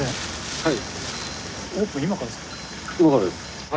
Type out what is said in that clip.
はい。